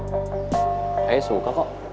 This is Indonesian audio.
kayaknya suka kok